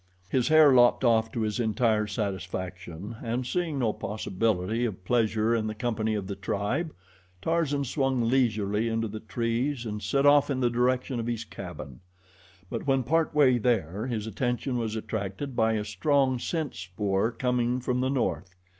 His hair lopped off to his entire satisfaction, and seeing no possibility of pleasure in the company of the tribe, Tarzan swung leisurely into the trees and set off in the direction of his cabin; but when part way there his attention was attracted by a strong scent spoor coming from the north.